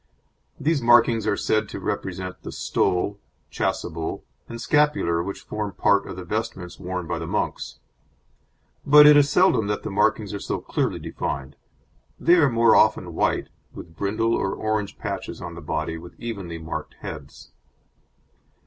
These markings are said to represent the stole, chasuble and scapular which form part of the vestments worn by the monks; but it is seldom that the markings are so clearly defined; they are more often white, with brindle or orange patches on the body, with evenly marked heads.